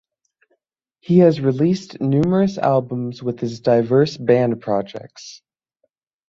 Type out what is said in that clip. He has released numerous albums with his diverse band projects.